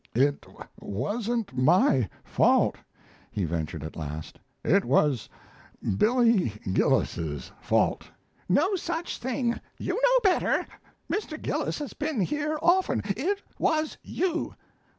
"It wasn't my fault," he ventured at last; "it was Billy Gillis's fault." "No such thing. You know better. Mr. Gillis has been here often. It was you."